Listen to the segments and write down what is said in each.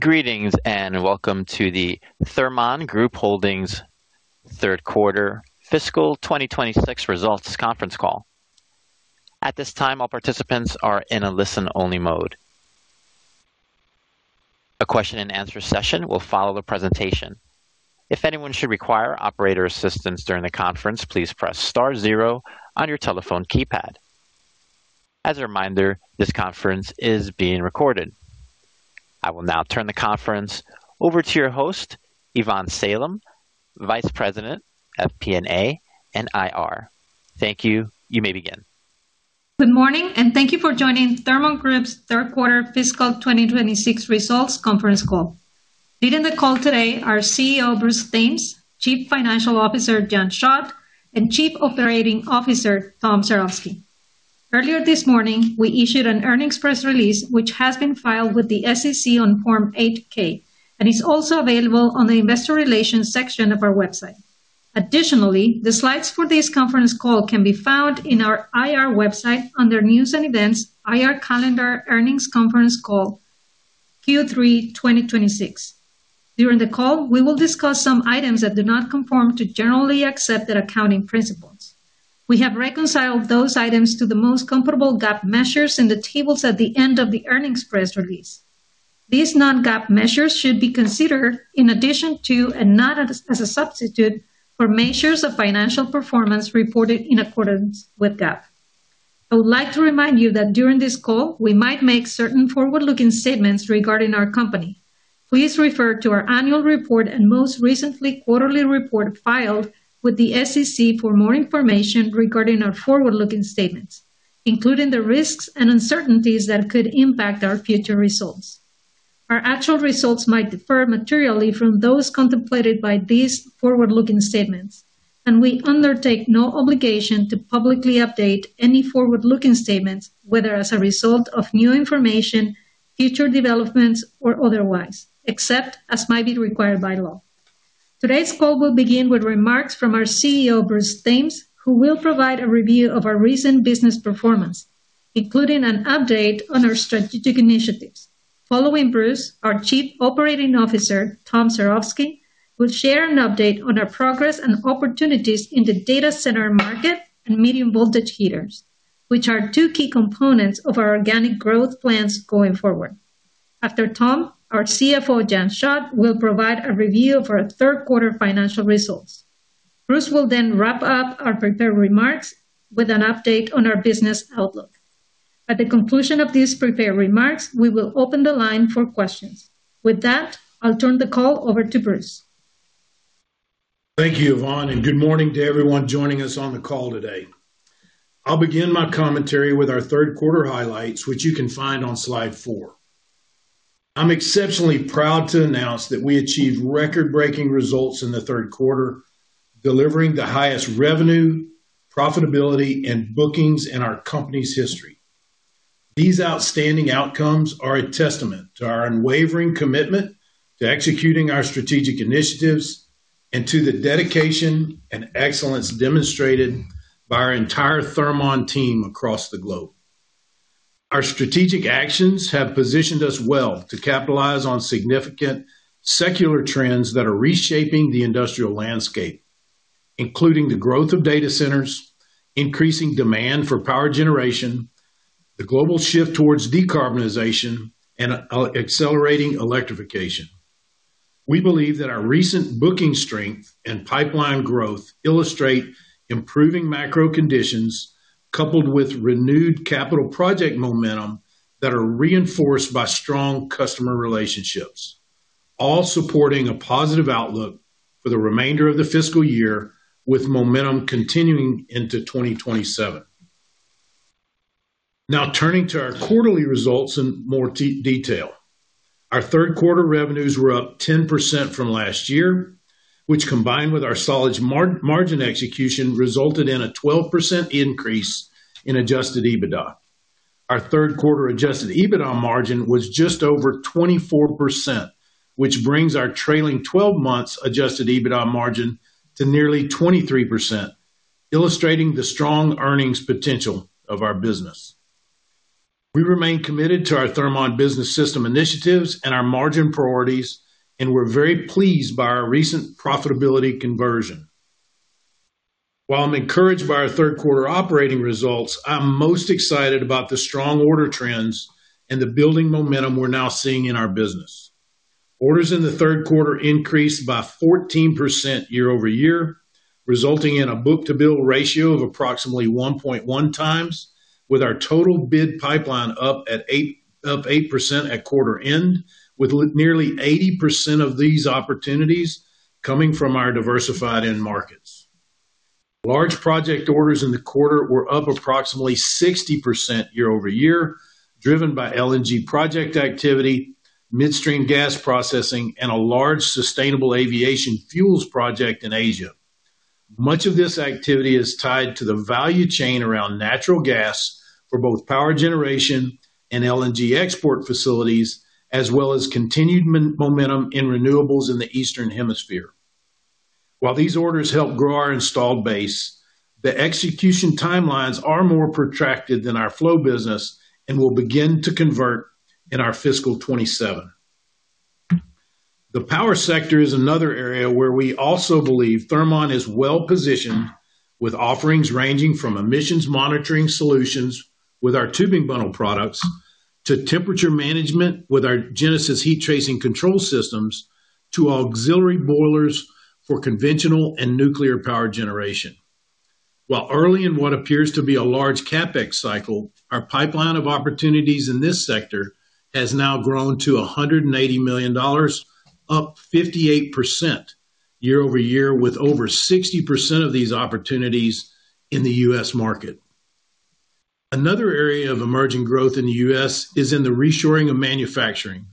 Greetings and welcome to the Thermon Group Holdings third quarter fiscal 2026 results conference call. At this time, all participants are in a listen-only mode. A question-and-answer session will follow the presentation. If anyone should require operator assistance during the conference, please press star zero on your telephone keypad. As a reminder, this conference is being recorded. I will now turn the conference over to your host, Ivonne Salem, Vice President of FP&A and IR. Thank you, you may begin. Good morning, and thank you for joining Thermon Group's third quarter fiscal 2026 results conference call. Leading the call today are CEO Bruce Thames, Chief Financial Officer Jan Schott, and Chief Operating Officer Tom Cerovski. Earlier this morning, we issued an earnings press release which has been filed with the SEC on Form 8-K, and is also available on the Investor Relations section of our website. Additionally, the slides for this conference call can be found in our IR website under News and Events, IR Calendar, Earnings Conference Call Q3 2026. During the call, we will discuss some items that do not conform to generally accepted accounting principles. We have reconciled those items to the most comparable GAAP measures in the tables at the end of the earnings press release. These non-GAAP measures should be considered in addition to and not as a substitute for measures of financial performance reported in accordance with GAAP. I would like to remind you that during this call, we might make certain forward-looking statements regarding our company. Please refer to our annual report and most recent quarterly report filed with the SEC for more information regarding our forward-looking statements, including the risks and uncertainties that could impact our future results. Our actual results might differ materially from those contemplated by these forward-looking statements, and we undertake no obligation to publicly update any forward-looking statements, whether as a result of new information, future developments, or otherwise, except as might be required by law. Today's call will begin with remarks from our CEO, Bruce Thames, who will provide a review of our recent business performance, including an update on our strategic initiatives. Following Bruce, our Chief Operating Officer Tom Cerovski will share an update on our progress and opportunities in the data center market and medium voltage heaters, which are two key components of our organic growth plans going forward. After Tom, our CFO Jan Schott will provide a review of our third quarter financial results. Bruce will then wrap up our prepared remarks with an update on our business outlook. At the conclusion of these prepared remarks, we will open the line for questions. With that, I'll turn the call over to Bruce. Thank you, Yvonne, and good morning to everyone joining us on the call today. I'll begin my commentary with our third quarter highlights, which you can find on slide four. I'm exceptionally proud to announce that we achieved record-breaking results in the third quarter, delivering the highest revenue, profitability, and bookings in our company's history. These outstanding outcomes are a testament to our unwavering commitment to executing our strategic initiatives and to the dedication and excellence demonstrated by our entire Thermon team across the globe. Our strategic actions have positioned us well to capitalize on significant secular trends that are reshaping the industrial landscape, including the growth of data centers, increasing demand for power generation, the global shift towards decarbonization, and accelerating electrification. We believe that our recent booking strength and pipeline growth illustrate improving macro conditions coupled with renewed capital project momentum that are reinforced by strong customer relationships, all supporting a positive outlook for the remainder of the fiscal year with momentum continuing into 2027. Now, turning to our quarterly results in more detail. Our third quarter revenues were up 10% from last year, which combined with our solid margin execution resulted in a 12% increase in adjusted EBITDA. Our third quarter adjusted EBITDA margin was just over 24%, which brings our trailing 12 months adjusted EBITDA margin to nearly 23%, illustrating the strong earnings potential of our business. We remain committed to our Thermon Business System initiatives and our margin priorities, and we're very pleased by our recent profitability conversion. While I'm encouraged by our third quarter operating results, I'm most excited about the strong order trends and the building momentum we're now seeing in our business. Orders in the third quarter increased by 14% year-over-year, resulting in a book-to-bill ratio of approximately 1.1x, with our total bid pipeline up 8% at quarter end, with nearly 80% of these opportunities coming from our diversified end markets. Large project orders in the quarter were up approximately 60% year-over-year, driven by LNG project activity, midstream gas processing, and a large sustainable aviation fuels project in Asia. Much of this activity is tied to the value chain around natural gas for both power generation and LNG export facilities, as well as continued momentum in renewables in the Eastern Hemisphere. While these orders help grow our installed base, the execution timelines are more protracted than our flow business and will begin to convert in our fiscal 2027. The power sector is another area where we also believe Thermon is well positioned, with offerings ranging from emissions monitoring solutions with our tubing bundle products to temperature management with our Genesis heat tracing control systems to auxiliary boilers for conventional and nuclear power generation. While early in what appears to be a large CapEx cycle, our pipeline of opportunities in this sector has now grown to $180 million, up 58% year-over-year, with over 60% of these opportunities in the U.S. market. Another area of emerging growth in the U.S. is in the reshoring of manufacturing,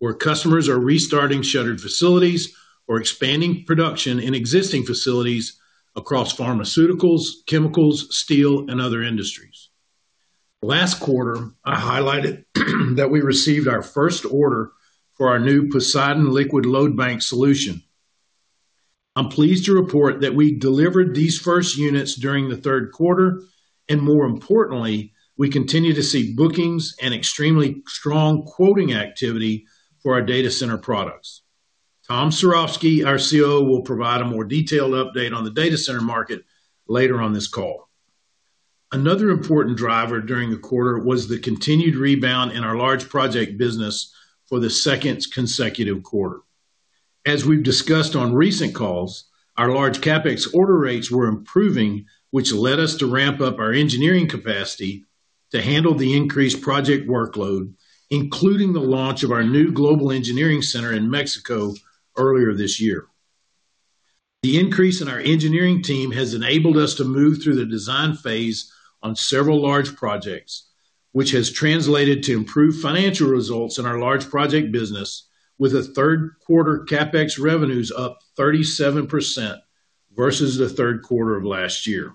where customers are restarting shuttered facilities or expanding production in existing facilities across pharmaceuticals, chemicals, steel, and other industries. Last quarter, I highlighted that we received our first order for our new Poseidon liquid load bank solution. I'm pleased to report that we delivered these first units during the third quarter, and more importantly, we continue to see bookings and extremely strong quoting activity for our data center products. Tom Cerovski, our COO, will provide a more detailed update on the data center market later on this call. Another important driver during the quarter was the continued rebound in our large project business for the second consecutive quarter. As we've discussed on recent calls, our large CapEx order rates were improving, which led us to ramp up our engineering capacity to handle the increased project workload, including the launch of our new global engineering center in Mexico earlier this year. The increase in our engineering team has enabled us to move through the design phase on several large projects, which has translated to improved financial results in our large project business, with a third quarter CapEx revenues up 37% versus the third quarter of last year.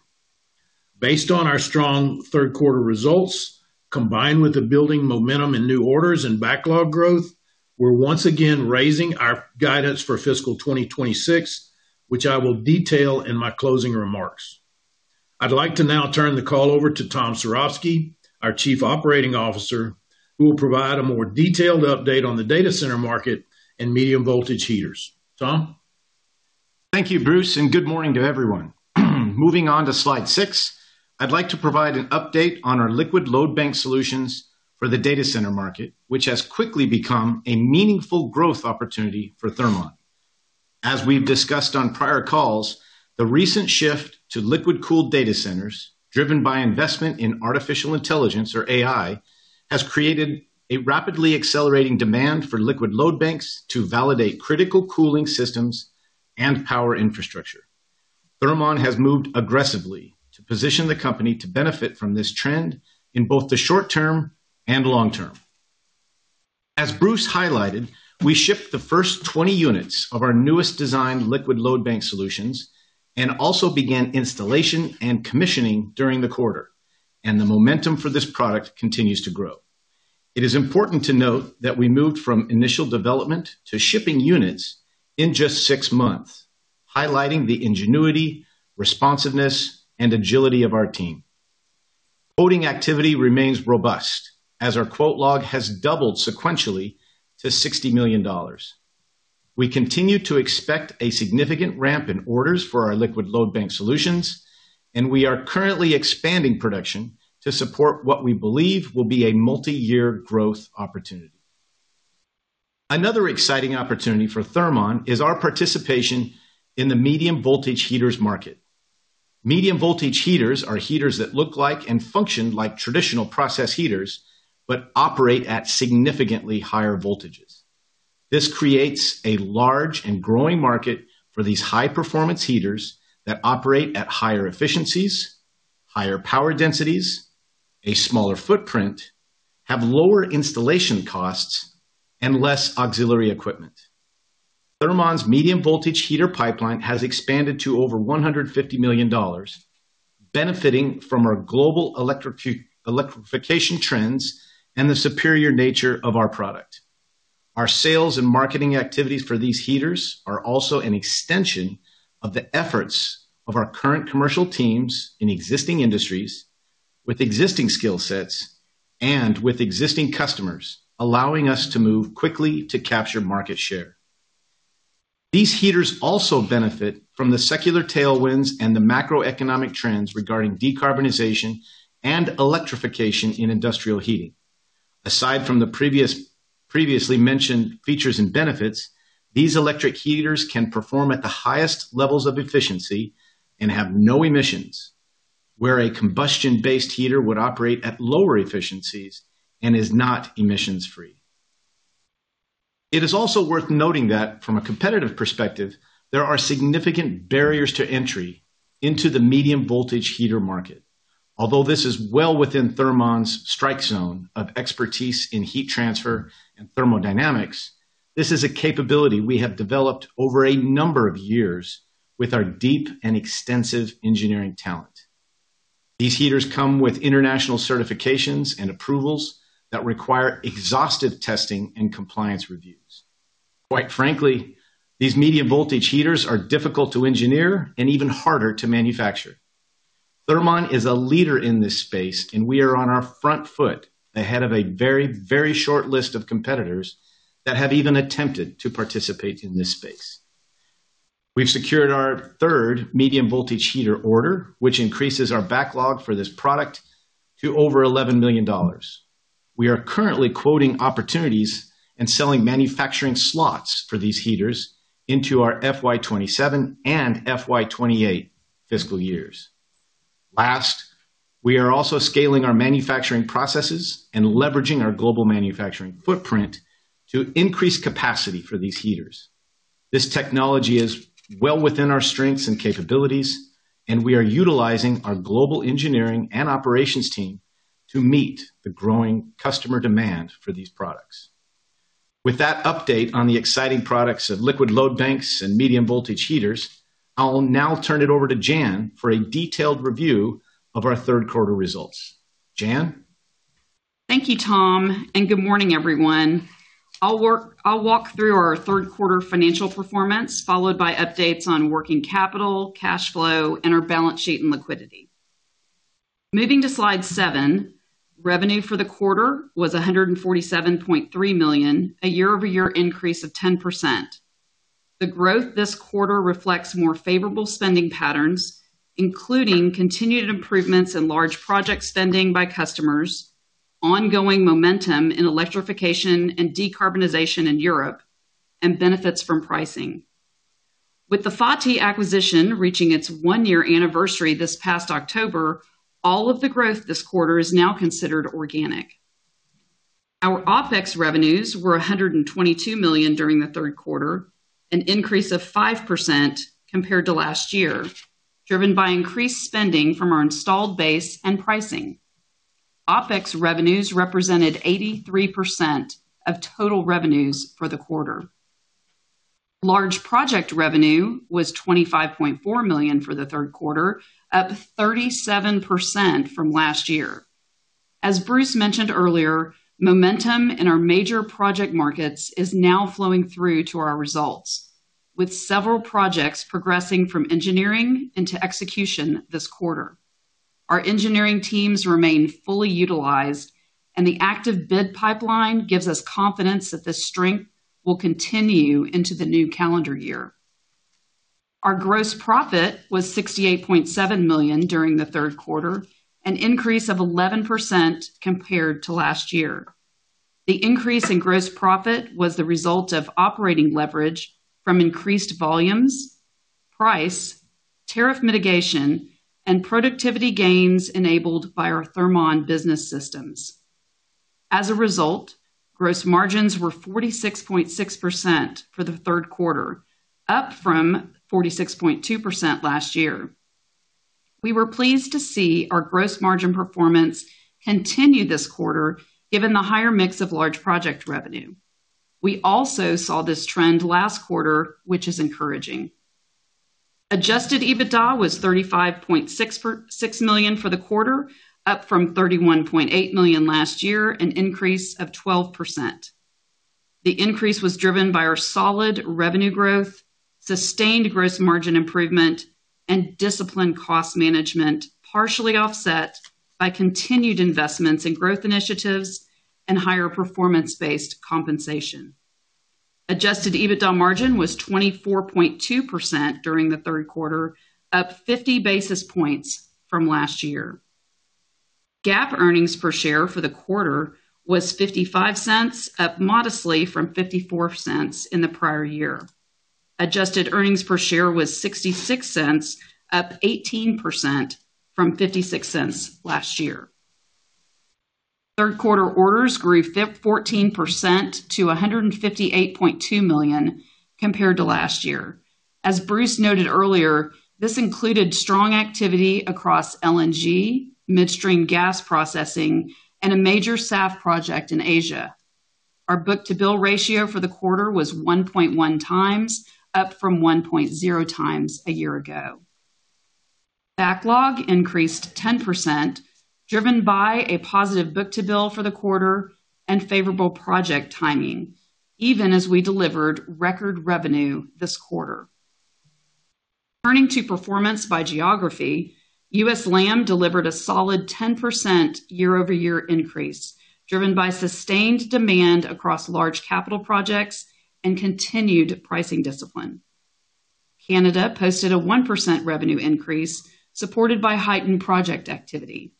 Based on our strong third quarter results, combined with the building momentum in new orders and backlog growth, we're once again raising our guidance for fiscal 2026, which I will detail in my closing remarks. I'd like to now turn the call over to Tom Cerovski, our Chief Operating Officer, who will provide a more detailed update on the data center market and medium voltage heaters. Tom? Thank you, Bruce, and good morning to everyone. Moving on to slide six, I'd like to provide an update on our liquid load bank solutions for the data center market, which has quickly become a meaningful growth opportunity for Thermon. As we've discussed on prior calls, the recent shift to liquid-cooled data centers, driven by investment in artificial intelligence, or AI, has created a rapidly accelerating demand for liquid load banks to validate critical cooling systems and power infrastructure. Thermon has moved aggressively to position the company to benefit from this trend in both the short term and long term. As Bruce highlighted, we shipped the first 20 units of our newest designed liquid load bank solutions and also began installation and commissioning during the quarter, and the momentum for this product continues to grow. It is important to note that we moved from initial development to shipping units in just six months, highlighting the ingenuity, responsiveness, and agility of our team. Quoting activity remains robust, as our quote log has doubled sequentially to $60 million. We continue to expect a significant ramp in orders for our liquid load bank solutions, and we are currently expanding production to support what we believe will be a multi-year growth opportunity. Another exciting opportunity for Thermon is our participation in the medium voltage heaters market. Medium voltage heaters are heaters that look like and function like traditional process heaters but operate at significantly higher voltages. This creates a large and growing market for these high-performance heaters that operate at higher efficiencies, higher power densities, a smaller footprint, have lower installation costs, and less auxiliary equipment. Thermon's medium voltage heater pipeline has expanded to over $150 million, benefiting from our global electrification trends and the superior nature of our product. Our sales and marketing activities for these heaters are also an extension of the efforts of our current commercial teams in existing industries, with existing skill sets and with existing customers, allowing us to move quickly to capture market share. These heaters also benefit from the secular tailwinds and the macroeconomic trends regarding decarbonization and electrification in industrial heating. Aside from the previously mentioned features and benefits, these electric heaters can perform at the highest levels of efficiency and have no emissions, where a combustion-based heater would operate at lower efficiencies and is not emissions-free. It is also worth noting that, from a competitive perspective, there are significant barriers to entry into the medium voltage heater market. Although this is well within Thermon's strike zone of expertise in heat transfer and thermodynamics, this is a capability we have developed over a number of years with our deep and extensive engineering talent. These heaters come with international certifications and approvals that require exhaustive testing and compliance reviews. Quite frankly, these medium voltage heaters are difficult to engineer and even harder to manufacture. Thermon is a leader in this space, and we are on our front foot ahead of a very, very short list of competitors that have even attempted to participate in this space. We've secured our third medium voltage heater order, which increases our backlog for this product to over $11 million. We are currently quoting opportunities and selling manufacturing slots for these heaters into our FY 2027 and FY 2028 fiscal years. Last, we are also scaling our manufacturing processes and leveraging our global manufacturing footprint to increase capacity for these heaters. This technology is well within our strengths and capabilities, and we are utilizing our global engineering and operations team to meet the growing customer demand for these products. With that update on the exciting products of liquid load banks and medium voltage heaters, I'll now turn it over to Jan for a detailed review of our third quarter results. Jan? Thank you, Tom, and good morning, everyone. I'll walk through our third quarter financial performance, followed by updates on working capital, cash flow, and our balance sheet and liquidity. Moving to slide seven, revenue for the quarter was $147.3 million, a year-over-year increase of 10%. The growth this quarter reflects more favorable spending patterns, including continued improvements in large project spending by customers, ongoing momentum in electrification and decarbonization in Europe, and benefits from pricing. With the FATI acquisition reaching its one-year anniversary this past October, all of the growth this quarter is now considered organic. Our OpEx revenues were $122 million during the third quarter, an increase of 5% compared to last year, driven by increased spending from our installed base and pricing. OpEx revenues represented 83% of total revenues for the quarter. Large project revenue was $25.4 million for the third quarter, up 37% from last year. As Bruce mentioned earlier, momentum in our major project markets is now flowing through to our results, with several projects progressing from engineering into execution this quarter. Our engineering teams remain fully utilized, and the active bid pipeline gives us confidence that this strength will continue into the new calendar year. Our gross profit was $68.7 million during the third quarter, an increase of 11% compared to last year. The increase in gross profit was the result of operating leverage from increased volumes, price, tariff mitigation, and productivity gains enabled by our Thermon Business System. As a result, gross margins were 46.6% for the third quarter, up from 46.2% last year. We were pleased to see our gross margin performance continue this quarter given the higher mix of large project revenue. We also saw this trend last quarter, which is encouraging. Adjusted EBITDA was $35.6 million for the quarter, up from $31.8 million last year, an increase of 12%. The increase was driven by our solid revenue growth, sustained gross margin improvement, and disciplined cost management, partially offset by continued investments in growth initiatives and higher performance-based compensation. Adjusted EBITDA margin was 24.2% during the third quarter, up 50 basis points from last year. GAAP earnings per share for the quarter was $0.55, up modestly from $0.54 in the prior year. Adjusted earnings per share was $0.66, up 18% from $0.56 last year. Third quarter orders grew 14% to $158.2 million compared to last year. As Bruce noted earlier, this included strong activity across LNG, midstream gas processing, and a major SAF project in Asia. Our book-to-bill ratio for the quarter was 1.1x, up from 1.0x a year ago. Backlog increased 10%, driven by a positive book-to-bill for the quarter and favorable project timing, even as we delivered record revenue this quarter. Turning to performance by geography, US-LAM delivered a solid 10% year-over-year increase, driven by sustained demand across large capital projects and continued pricing discipline. Canada posted a 1% revenue increase, supported by heightened project activity.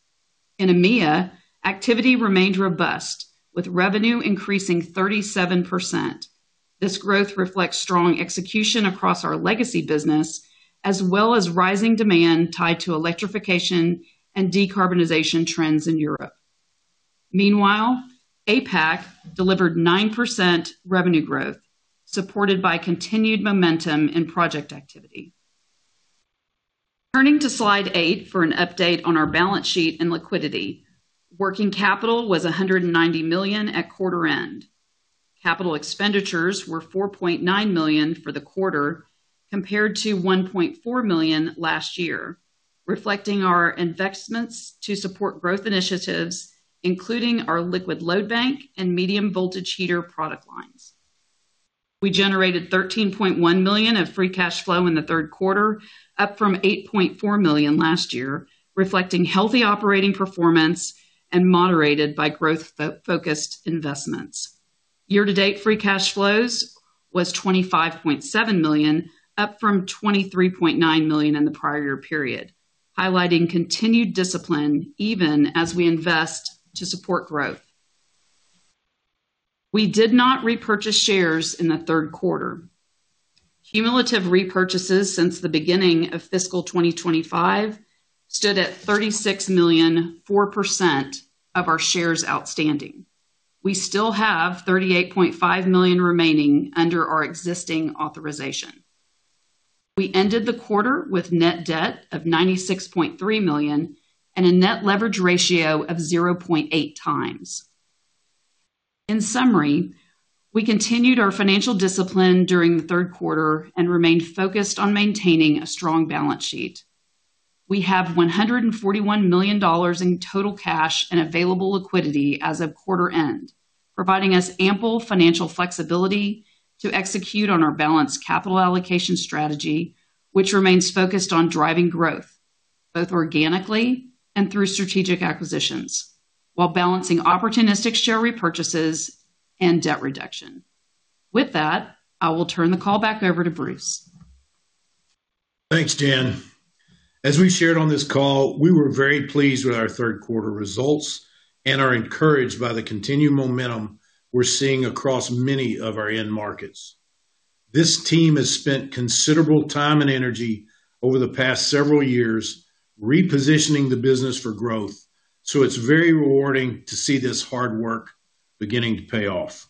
In EMEA, activity remained robust, with revenue increasing 37%. This growth reflects strong execution across our legacy business, as well as rising demand tied to electrification and decarbonization trends in Europe. Meanwhile, APAC delivered 9% revenue growth, supported by continued momentum in project activity. Turning to slide eight for an update on our balance sheet and liquidity, working capital was $190 million at quarter end. Capital expenditures were $4.9 million for the quarter compared to $1.4 million last year, reflecting our investments to support growth initiatives, including our liquid load bank and medium voltage heater product lines. We generated $13.1 million of free cash flow in the third quarter, up from $8.4 million last year, reflecting healthy operating performance and moderated by growth-focused investments. Year-to-date free cash flows were $25.7 million, up from $23.9 million in the prior year period, highlighting continued discipline even as we invest to support growth. We did not repurchase shares in the third quarter. Cumulative repurchases since the beginning of fiscal 2025 stood at 36.04% of our shares outstanding. We still have $38.5 million remaining under our existing authorization. We ended the quarter with net debt of $96.3 million and a net leverage ratio of 0.8 times. In summary, we continued our financial discipline during the third quarter and remained focused on maintaining a strong balance sheet. We have $141 million in total cash and available liquidity as of quarter end, providing us ample financial flexibility to execute on our balanced capital allocation strategy, which remains focused on driving growth, both organically and through strategic acquisitions, while balancing opportunistic share repurchases and debt reduction. With that, I will turn the call back over to Bruce. Thanks, Jan. As we shared on this call, we were very pleased with our third quarter results and are encouraged by the continued momentum we're seeing across many of our end markets. This team has spent considerable time and energy over the past several years repositioning the business for growth, so it's very rewarding to see this hard work beginning to pay off.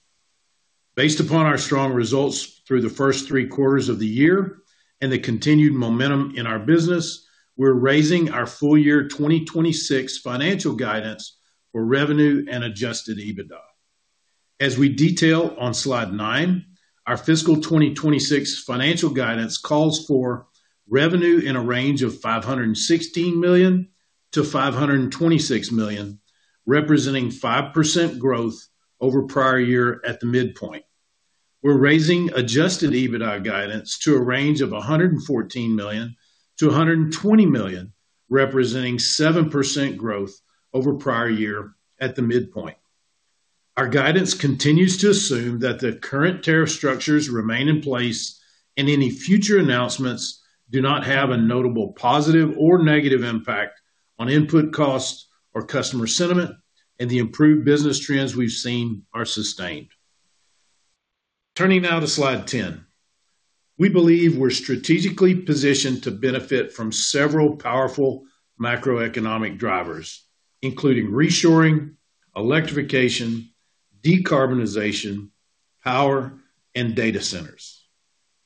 Based upon our strong results through the first three quarters of the year and the continued momentum in our business, we're raising our full-year 2026 financial guidance for revenue and Adjusted EBITDA. As we detail on slide nine, our fiscal 2026 financial guidance calls for revenue in a range of $516 million-$526 million, representing 5% growth over prior year at the midpoint. We're raising Adjusted EBITDA guidance to a range of $114 million-$120 million, representing 7% growth over prior year at the midpoint. Our guidance continues to assume that the current tariff structures remain in place and any future announcements do not have a notable positive or negative impact on input costs or customer sentiment, and the improved business trends we've seen are sustained. Turning now to slide 10, we believe we're strategically positioned to benefit from several powerful macroeconomic drivers, including reshoring, electrification, decarbonization, power, and data centers.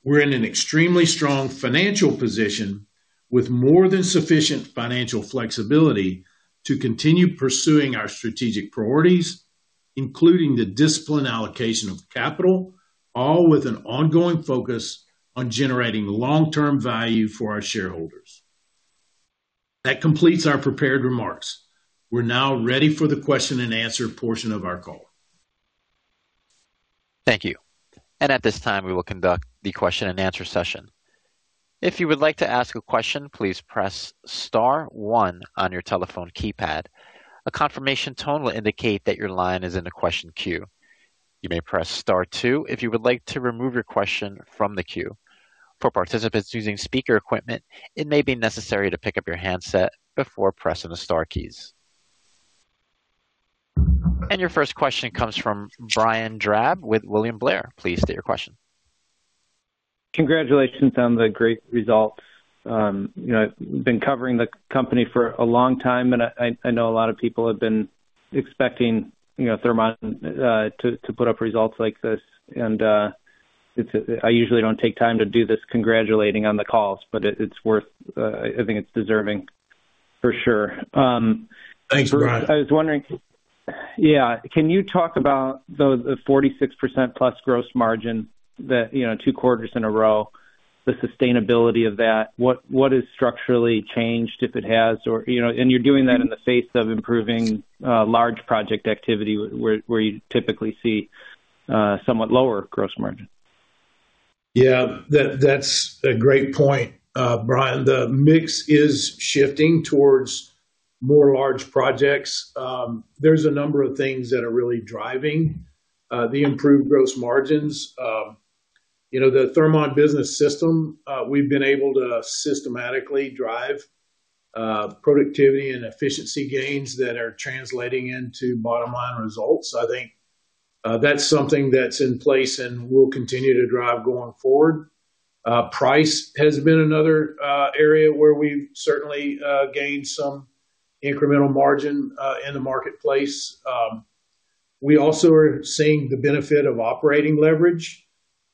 We're in an extremely strong financial position with more than sufficient financial flexibility to continue pursuing our strategic priorities, including the disciplined allocation of capital, all with an ongoing focus on generating long-term value for our shareholders. That completes our prepared remarks. We're now ready for the question-and-answer portion of our call. Thank you. At this time, we will conduct the question-and-answer session. If you would like to ask a question, please press star one on your telephone keypad. A confirmation tone will indicate that your line is in the question queue. You may press star two if you would like to remove your question from the queue. For participants using speaker equipment, it may be necessary to pick up your handset before pressing the star keys. Your first question comes from Brian Drab with William Blair. Please state your question. Congratulations on the great results. I've been covering the company for a long time, and I know a lot of people have been expecting Thermon to put up results like this. I usually don't take time to do this congratulating on the calls, but I think it's deserving, for sure. Thanks, Brian. I was wondering, yeah, can you talk about the 46%+ gross margin, two quarters in a row, the sustainability of that? What has structurally changed, if it has? And you're doing that in the face of improving large project activity where you typically see somewhat lower gross margin. Yeah, that's a great point, Brian. The mix is shifting towards more large projects. There's a number of things that are really driving the improved gross margins. The Thermon Business System, we've been able to systematically drive productivity and efficiency gains that are translating into bottom-line results. I think that's something that's in place and will continue to drive going forward. Price has been another area where we've certainly gained some incremental margin in the marketplace. We also are seeing the benefit of operating leverage.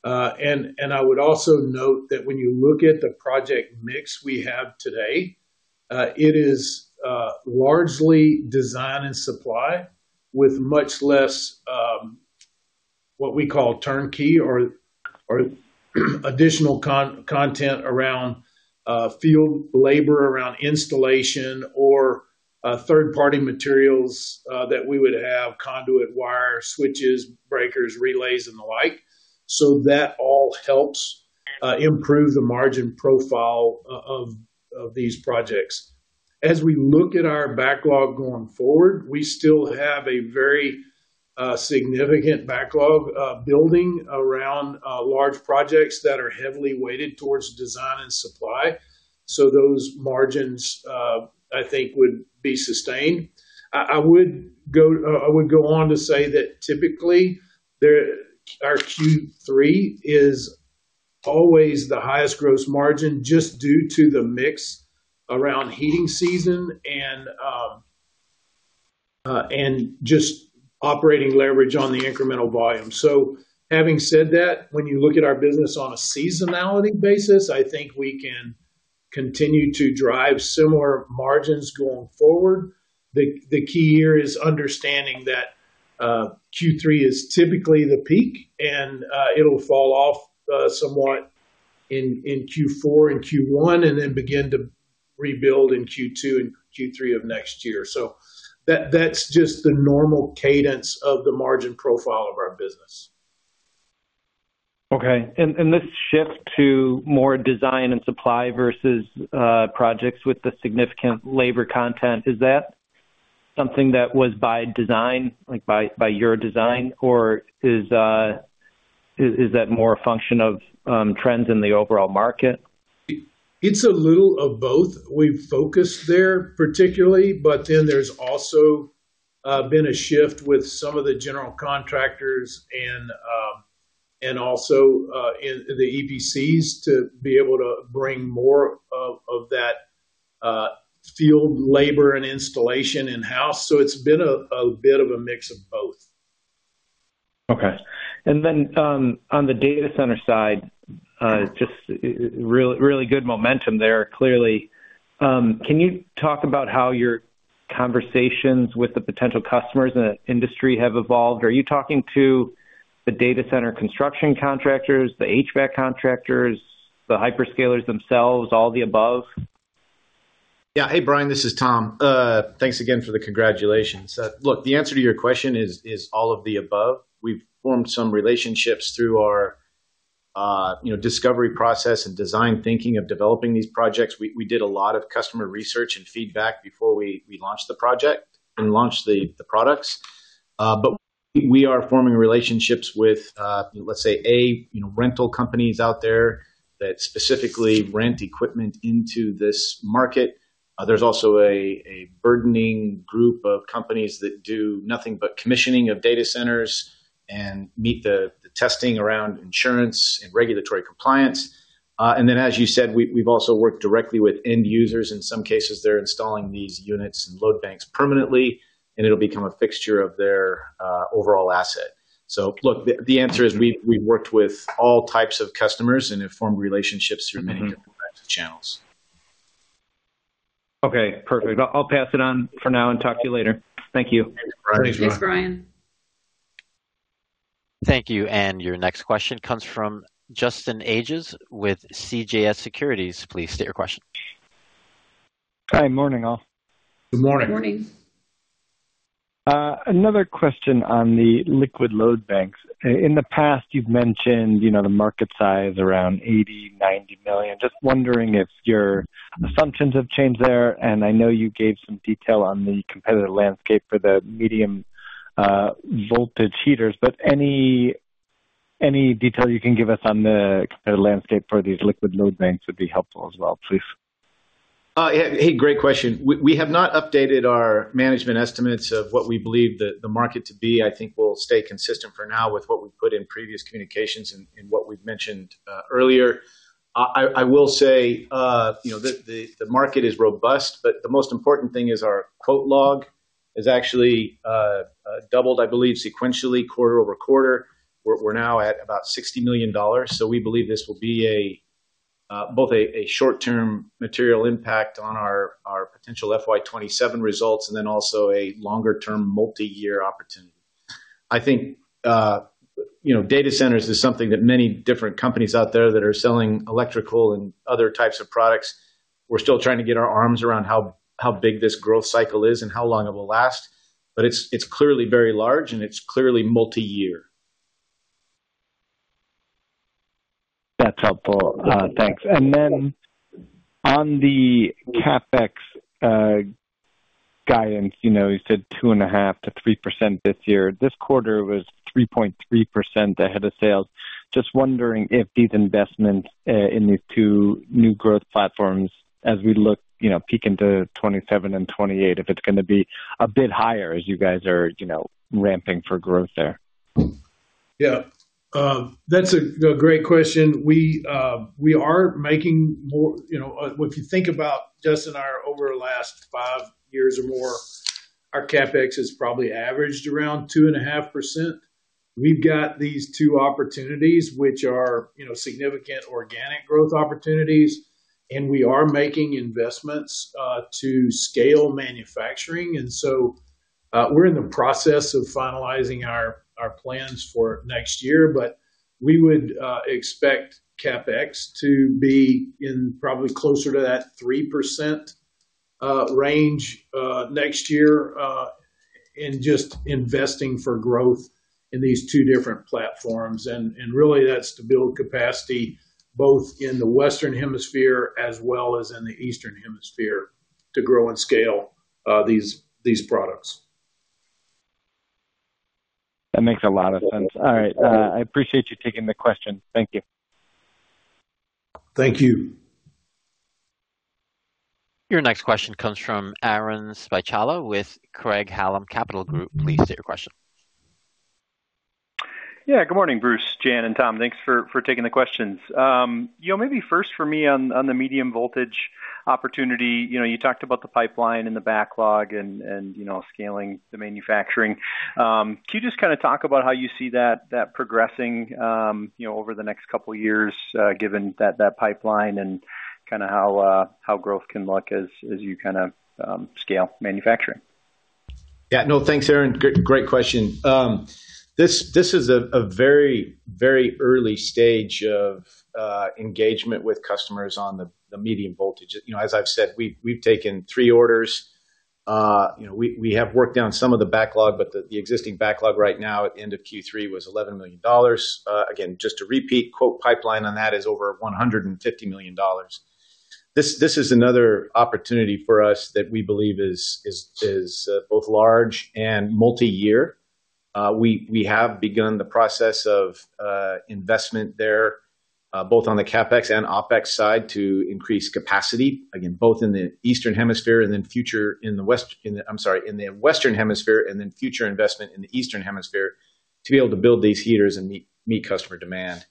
And I would also note that when you look at the project mix we have today, it is largely design and supply with much less what we call turnkey or additional content around field labor, around installation, or third-party materials that we would have: conduit, wire, switches, breakers, relays, and the like. So that all helps improve the margin profile of these projects. As we look at our backlog going forward, we still have a very significant backlog building around large projects that are heavily weighted towards design and supply. So those margins, I think, would be sustained. I would go on to say that typically, our Q3 is always the highest gross margin just due to the mix around heating season and just operating leverage on the incremental volume. So having said that, when you look at our business on a seasonality basis, I think we can continue to drive similar margins going forward. The key here is understanding that Q3 is typically the peak, and it'll fall off somewhat in Q4 and Q1 and then begin to rebuild in Q2 and Q3 of next year. So that's just the normal cadence of the margin profile of our business. Okay. And this shift to more design and supply versus projects with the significant labor content, is that something that was by design, by your design, or is that more a function of trends in the overall market? It's a little of both. We've focused there particularly, but then there's also been a shift with some of the general contractors and also the EPCs to be able to bring more of that field labor and installation in-house. So it's been a bit of a mix of both. Okay. On the data center side, just really good momentum there, clearly. Can you talk about how your conversations with the potential customers in the industry have evolved? Are you talking to the data center construction contractors, the HVAC contractors, the hyperscalers themselves, all the above? Yeah. Hey, Brian. This is Tom. Thanks again for the congratulations. Look, the answer to your question is all of the above. We've formed some relationships through our discovery process and design thinking of developing these projects. We did a lot of customer research and feedback before we launched the project and launched the products. But we are forming relationships with, let's say, A, rental companies out there that specifically rent equipment into this market. There's also a burgeoning group of companies that do nothing but commissioning of data centers and meet the testing around insurance and regulatory compliance. And then, as you said, we've also worked directly with end users. In some cases, they're installing these units and load banks permanently, and it'll become a fixture of their overall asset. So look, the answer is we've worked with all types of customers and have formed relationships through many different types of channels. Okay. Perfect. I'll pass it on for now and talk to you later. Thank you. Thanks, Brian. Thanks, Brian. Thank you. And your next question comes from Justin Ages with CJS Securities. Please state your question. Hi. Morning, all. Good morning. Good morning. Another question on the liquid load banks. In the past, you've mentioned the market size around $80 million-$90 million. Just wondering if your assumptions have changed there. And I know you gave some detail on the competitive landscape for the medium voltage heaters, but any detail you can give us on the competitive landscape for these liquid load banks would be helpful as well, please. Hey, great question. We have not updated our management estimates of what we believe the market to be. I think we'll stay consistent for now with what we put in previous communications and what we've mentioned earlier. I will say the market is robust, but the most important thing is our quote log has actually doubled, I believe, sequentially, quarter-over-quarter. We're now at about $60 million. So we believe this will be both a short-term material impact on our potential FY 2027 results and then also a longer-term multi-year opportunity. I think data centers is something that many different companies out there that are selling electrical and other types of products we're still trying to get our arms around how big this growth cycle is and how long it will last. But it's clearly very large, and it's clearly multi-year. That's helpful. Thanks. Then on the CapEx guidance, you said 2.5%-3% this year. This quarter was 3.3% ahead of sales. Just wondering if these investments in these two new growth platforms, as we look peek into 2027 and 2028, if it's going to be a bit higher as you guys are ramping for growth there. Yeah. That's a great question. We are making more if you think about Justin and I, over the last five years or more, our CapEx has probably averaged around 2.5%. We've got these two opportunities, which are significant organic growth opportunities, and we are making investments to scale manufacturing. And so we're in the process of finalizing our plans for next year. But we would expect CapEx to be in probably closer to that 3% range next year in just investing for growth in these two different platforms. And really, that's to build capacity both in the Western Hemisphere as well as in the Eastern Hemisphere to grow and scale these products. That makes a lot of sense. All right. I appreciate you taking the question. Thank you. Thank you. Your next question comes from Aaron Spychalla with Craig-Hallum Capital Group. Please state your question. Yeah. Good morning, Bruce, Jan, and Tom. Thanks for taking the questions. Maybe first for me on the medium voltage opportunity, you talked about the pipeline and the backlog and scaling the manufacturing. Can you just kind of talk about how you see that progressing over the next couple of years given that pipeline and kind of how growth can look as you kind of scale manufacturing? Yeah. No, thanks, Aaron. Great question. This is a very, very early stage of engagement with customers on the medium voltage. As I've said, we've taken three orders. We have worked down some of the backlog, but the existing backlog right now at the end of Q3 was $11 million. Again, just to repeat, quote pipeline on that is over $150 million. This is another opportunity for us that we believe is both large and multi-year. We have begun the process of investment there both on the CapEx and OpEx side to increase capacity, again, both in the Eastern Hemisphere and then future in the West I'm sorry, in the Western Hemisphere and then future investment in the Eastern Hemisphere to be able to build these heaters and meet customer demand.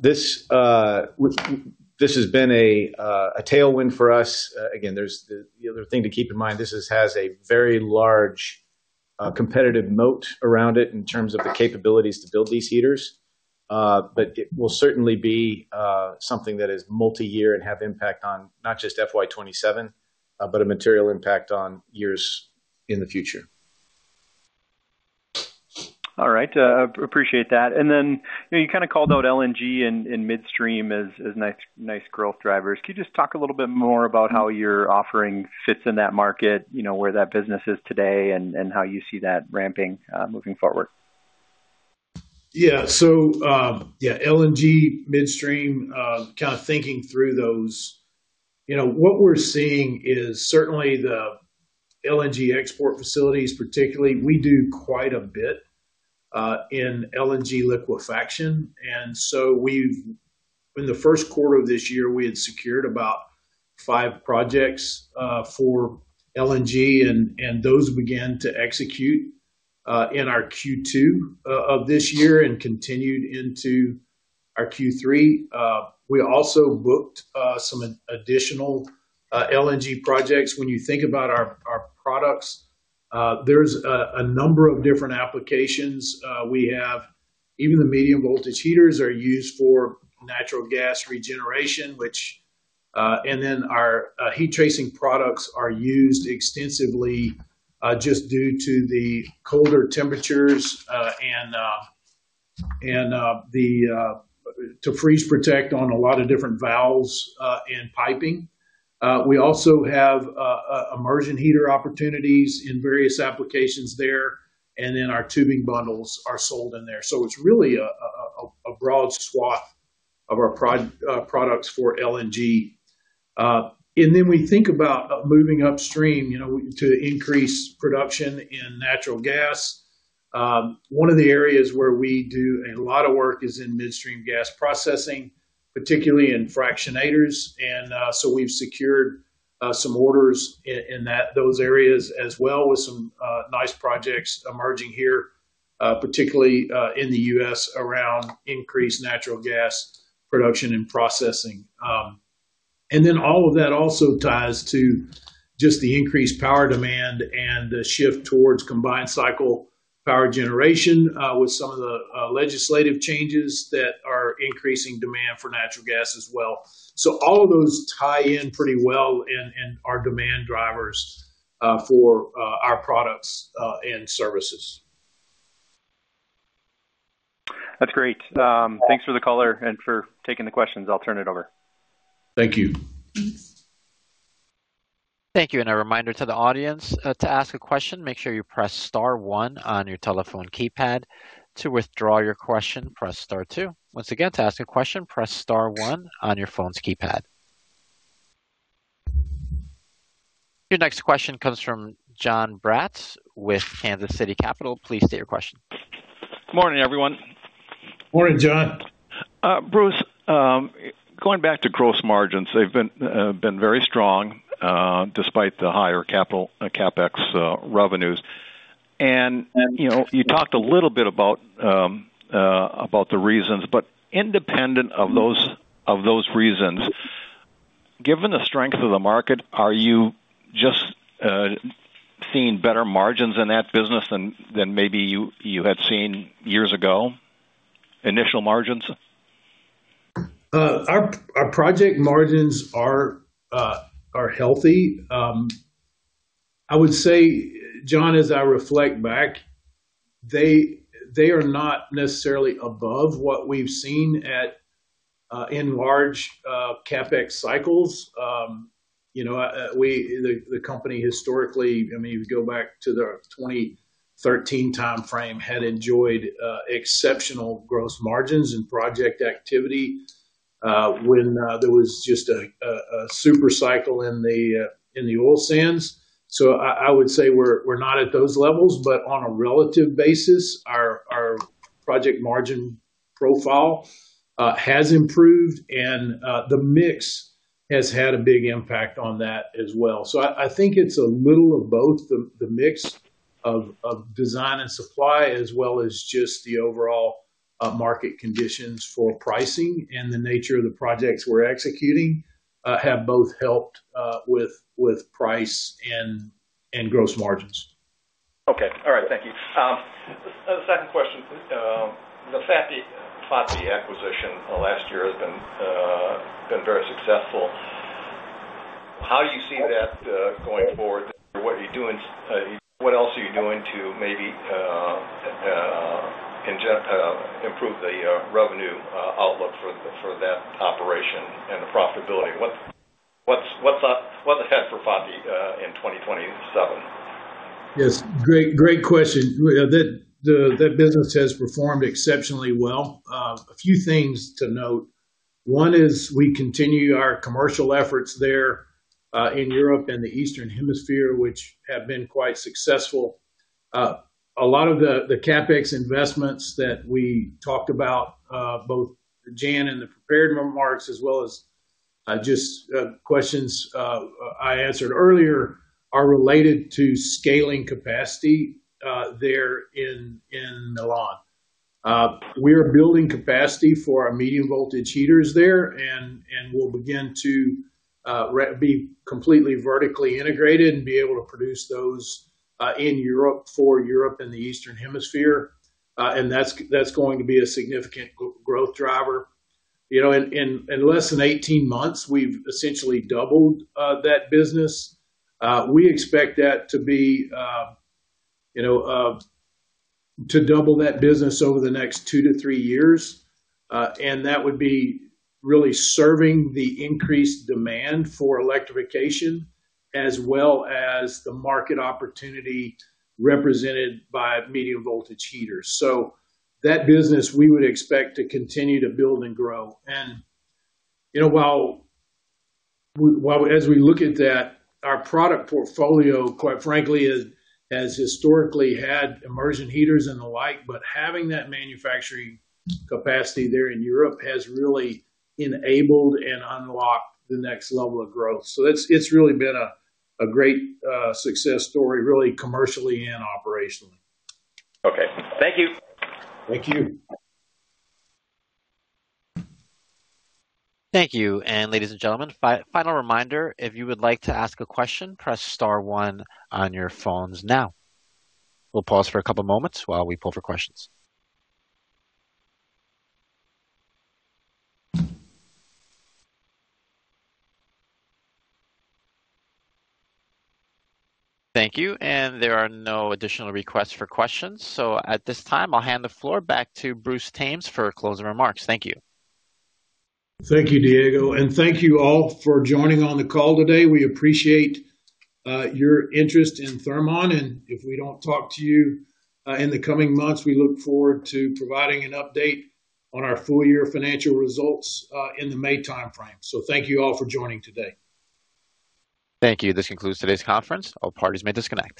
This has been a tailwind for us. Again, the other thing to keep in mind, this has a very large competitive moat around it in terms of the capabilities to build these heaters. But it will certainly be something that is multi-year and have impact on not just FY 2027, but a material impact on years in the future. All right. Appreciate that. Then you kind of called out LNG and midstream as nice growth drivers. Can you just talk a little bit more about how your offering fits in that market, where that business is today, and how you see that ramping moving forward? Yeah. So yeah, LNG, midstream, kind of thinking through those, what we're seeing is certainly the LNG export facilities, particularly, we do quite a bit in LNG liquefaction. So in the first quarter of this year, we had secured about five projects for LNG, and those began to execute in our Q2 of this year and continued into our Q3. We also booked some additional LNG projects. When you think about our products, there's a number of different applications we have. Even the medium voltage heaters are used for natural gas regeneration, which and then our heat tracing products are used extensively just due to the colder temperatures and to freeze protect on a lot of different valves and piping. We also have immersion heater opportunities in various applications there, and then our tubing bundles are sold in there. It's really a broad swath of our products for LNG. Then we think about moving upstream to increase production in natural gas. One of the areas where we do a lot of work is in midstream gas processing, particularly in fractionators. So we've secured some orders in those areas as well with some nice projects emerging here, particularly in the U.S. around increased natural gas production and processing. All of that also ties to just the increased power demand and the shift towards combined cycle power generation with some of the legislative changes that are increasing demand for natural gas as well. All of those tie in pretty well and are demand drivers for our products and services. That's great. Thanks for the call and for taking the questions. I'll turn it over. Thank you. Thanks. Thank you. And a reminder to the audience, to ask a question, make sure you press star one on your telephone keypad. To withdraw your question, press star two. Once again, to ask a question, press star one on your phone's keypad. Your next question comes from John Braatz with Kansas City Capital. Please state your question. Good morning, everyone. Morning, John. Bruce, going back to gross margins, they've been very strong despite the higher CapEx revenues. You talked a little bit about the reasons. Independent of those reasons, given the strength of the market, are you just seeing better margins in that business than maybe you had seen years ago, initial margins? Our project margins are healthy. I would say, John, as I reflect back, they are not necessarily above what we've seen in large CapEx cycles. The company historically, I mean, if you go back to the 2013 time frame, had enjoyed exceptional gross margins and project activity when there was just a super cycle in the oil sands. So I would say we're not at those levels. But on a relative basis, our project margin profile has improved, and the mix has had a big impact on that as well. So I think it's a little of both, the mix of design and supply as well as just the overall market conditions for pricing and the nature of the projects we're executing have both helped with price and gross margins. Okay. All right. Thank you. Second question. The FATI acquisition last year has been very successful. How do you see that going forward? What are you doing? What else are you doing to maybe improve the revenue outlook for that operation and the profitability? What's ahead for FATI in 2027? Yes. Great question. That business has performed exceptionally well. A few things to note. One is we continue our commercial efforts there in Europe and the Eastern Hemisphere, which have been quite successful. A lot of the CapEx investments that we talked about, both Jan and the prepared remarks as well as just questions I answered earlier, are related to scaling capacity there in Milan. We are building capacity for our medium voltage heaters there and will begin to be completely vertically integrated and be able to produce those in Europe for Europe and the Eastern Hemisphere. And that's going to be a significant growth driver. In less than 18 months, we've essentially doubled that business. We expect that to be to double that business over the next two to three years. That would be really serving the increased demand for electrification as well as the market opportunity represented by medium voltage heaters. So that business, we would expect to continue to build and grow. And while as we look at that, our product portfolio, quite frankly, has historically had immersion heaters and the like, but having that manufacturing capacity there in Europe has really enabled and unlocked the next level of growth. So it's really been a great success story, really commercially and operationally. Okay. Thank you. Thank you. Thank you. Ladies and gentlemen, final reminder, if you would like to ask a question, press star one on your phones now. We'll pause for a couple of moments while we poll for questions. Thank you. There are no additional requests for questions. At this time, I'll hand the floor back to Bruce Thames for closing remarks. Thank you. Thank you, Diego. Thank you all for joining on the call today. We appreciate your interest in Thermon. If we don't talk to you in the coming months, we look forward to providing an update on our full-year financial results in the May time frame. Thank you all for joining today. Thank you. This concludes today's conference. All parties may disconnect.